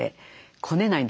こねないんですよ。